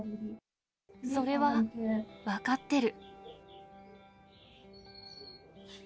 それは分かってる。